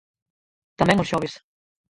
Tamén os xoves.